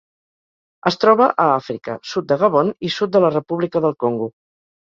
Es troba a Àfrica: sud de Gabon i sud de la República del Congo.